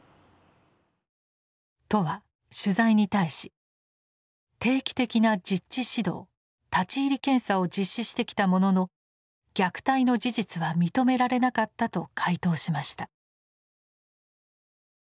都は取材に対し「定期的な実地指導立入検査を実施してきたものの虐待の事実は認められなかった」と回答しました。